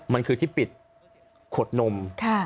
มันคือที่ปิดโขดนมค่ะ